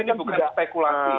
saya pikir ini bukan spekulasi ya